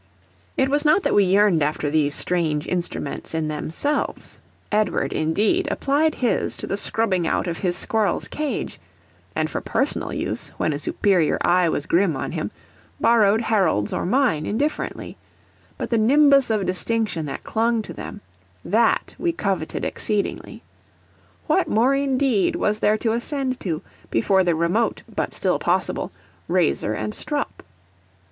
It was not that we yearned after these strange instruments in themselves; Edward, indeed, applied his to the scrubbing out of his squirrel's cage, and for personal use, when a superior eye was grim on him, borrowed Harold's or mine, indifferently; but the nimbus of distinction that clung to them that we coveted exceedingly. What more, indeed, was there to ascend to, before the remote, but still possible, razor and strop?